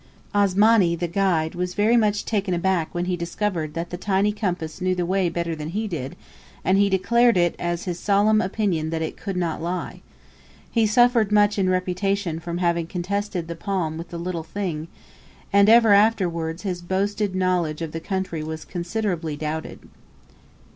Asmani, the guide, was very much taken aback when he discovered that the tiny compass knew the way better than he did, and he declared it as his solemn opinion that it could not lie. He suffered much in reputation from having contested the palm with the "little thing," and ever afterwards his boasted knowledge of the country was considerably doubted.